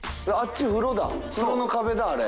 風呂の壁だあれ。